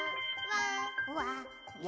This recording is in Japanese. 「わ！」